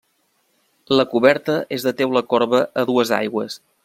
La coberta és de teula corba a dues aigües.